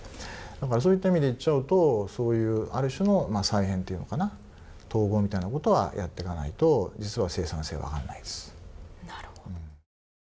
だから、そういった意味で言っちゃうと、そういうある種の再編というのかな統合みたいなことはやってかないと実は生産性は上がらないです。